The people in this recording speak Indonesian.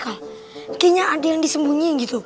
kayaknya ada yang disembunyiin gitu